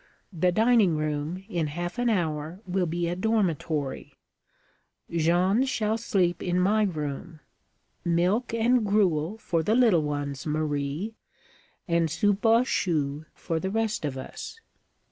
The dining room, in half an hour, will be a dormitory. Jeanne shall sleep in my room. Milk and gruel for the little ones, Marie, and soupe aux choux for the rest of us.